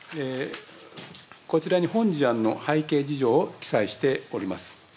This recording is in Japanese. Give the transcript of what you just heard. こちらに本事案の背景事情を記載しております。